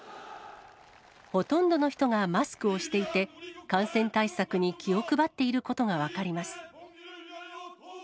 ほとんどの人がマスクをしていて、感染対策に気を配っていることが分かります。